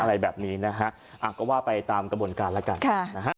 อะไรแบบนี้นะฮะก็ว่าไปตามกระบวนการแล้วกันค่ะนะฮะ